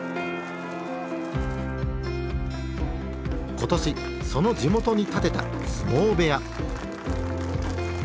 今年その地元に建てた相撲部屋。